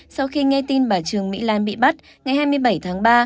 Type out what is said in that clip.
sau khi nghe tin bà trương mỹ lan bị bắt ngày hai mươi bảy tháng ba